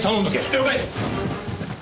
了解！